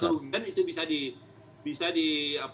kalau ada kerugian itu bisa dianggap